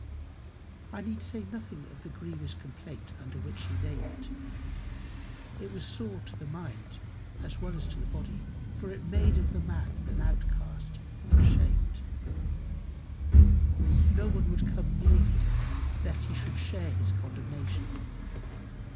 I need say nothing of the grievous complaint under which he laboured. It was sore to the mind as well as the body, for it made of the man an outcast and ashamed. No one would come near him lest he should share his condemnation.